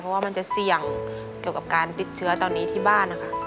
เพราะว่ามันจะเสี่ยงเกี่ยวกับการติดเชื้อตอนนี้ที่บ้านนะคะ